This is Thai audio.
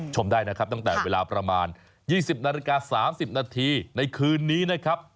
ชมได้นะครับตั้งแต่เวลาประมาณ๒๐นาฬิกา๓๐นาทีในคืนนี้นะครับ